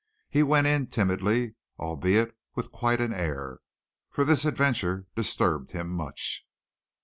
He went in timidly, albeit with quite an air, for this adventure disturbed him much.